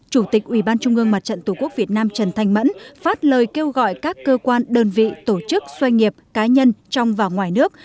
chủ tịch ủy ban trung ương mặt trận tổ quốc việt nam trần thanh mẫn phát lời kêu gọi các cơ quan đơn vị tổ chức xoay nghiệp cá nhân trong và ngoài nước